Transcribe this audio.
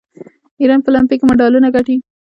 ایران په المپیک کې مډالونه ګټي.